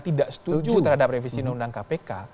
tidak setuju terhadap revisi undang undang kpk